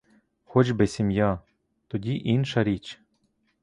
Хоч би сім'я, — тоді інша річ!